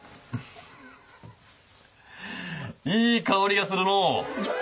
いい香りがするのう。